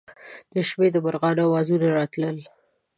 د شپې د مرغانو اوازونه راتلل.